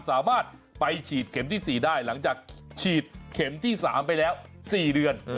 สามารถไปฉีดเข็มที่๔ได้หลังจากฉีดเข็มที่๓ไปแล้ว๔เดือน